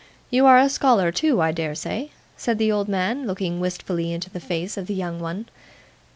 You are a scholar too, I dare say?' said the old man, looking wistfully into the face of the young one.